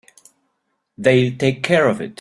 They'll take care of it.